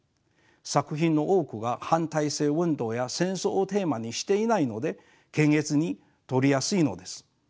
作品の多くが反体制運動や戦争をテーマにしていないので検閲に通りやすいのです。